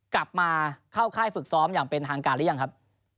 กลับมาเข้าค่ายฝึกซ้อมอย่างเป็นทางการหรือยังครับ